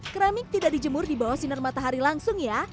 keramik tidak dijemur di bawah sinar matahari langsung ya